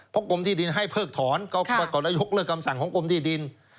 เพราะกรมที่ดินให้เพิกถอนและยกเลิกคำสั่งของกรมที่ดิน